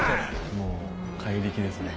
もう怪力ですね。